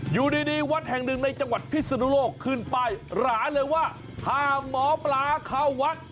อยู่ดีวัดแห่งหนึ่งในจังหวัดพิศนุโลกขึ้นไปหราเลยว่าห้ามหมอปลาเข้าวัด